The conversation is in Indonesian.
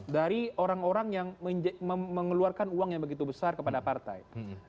dari orang orang yang mengeluarkan uang yang begitu besar kepada partai